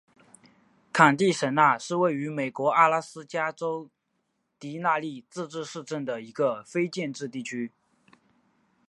坎蒂什纳是位于美国阿拉斯加州迪纳利自治市镇的一个非建制地区。